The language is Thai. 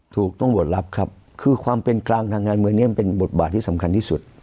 ตำรวจรับครับคือความเป็นกลางทางการเมืองนี้มันเป็นบทบาทที่สำคัญที่สุด